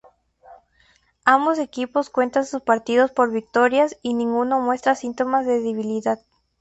Ambos equipos cuentan sus partidos por victorias y ninguno muestra síntomas de debilidad.